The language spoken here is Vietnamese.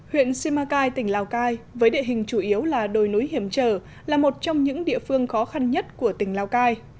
huyện simacai tỉnh lào cai với địa hình chủ yếu là đồi núi hiểm trở là một trong những địa phương khó khăn nhất của tỉnh lào cai